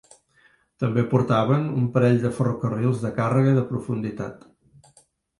També portaven un parell de ferrocarrils de càrrega de profunditat.